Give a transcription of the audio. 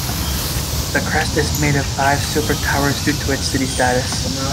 The crest is made of five silver towers due to its city status.